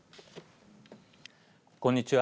こんにちは。